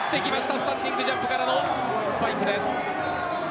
スタンディングジャンプからのスパイクです。